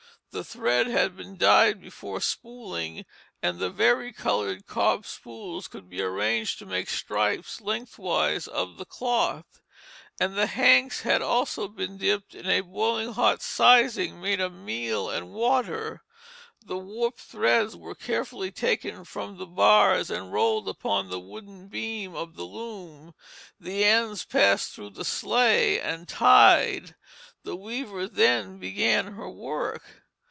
The thread had been dyed before spooling and the vari colored cob spools could be arranged to make stripes lengthwise of the cloth; and the hanks had also been dipped in a boiling hot sizing made of meal and water. The warp threads were carefully taken from the bars and rolled upon the wooden beam of the loom, the ends passed through the sley and tied. The weaver then began her work.